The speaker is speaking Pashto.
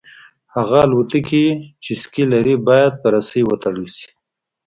هغه الوتکې چې سکي لري باید په رسۍ وتړل شي